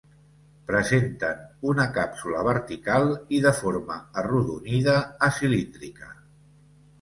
Presenten una càpsula vertical i de forma arrodonida a cilíndrica.